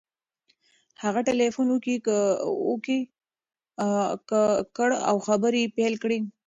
هغه ټلیفون اوکې کړ او خبرې یې پیل کړې.